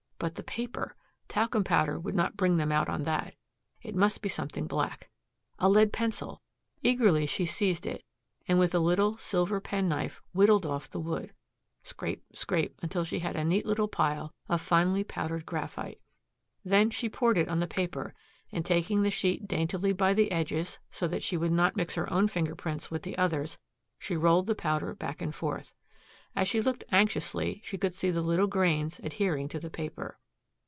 But the paper. Talcum powder would not bring them out on that. It must be something black. A lead pencil! Eagerly she seized it and with, a little silver pen knife whittled off the wood. Scrape! scrape! until she had a neat little pile of finely powdered graphite. Then she poured it on the paper and taking the sheet daintily by the edges, so that she would not mix her own finger prints with the others, she rolled the powder back and forth. As she looked anxiously she could see the little grains adhering to the paper.